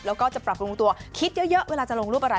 แล้วก็จะปรับปรุงตัวคิดเยอะเวลาจะลงรูปอะไร